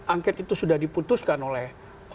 angket itu sudah diputuskan oleh